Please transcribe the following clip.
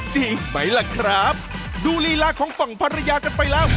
จริงไหมล่ะครับดูลีลาของฝั่งภรรยากันไปแล้ว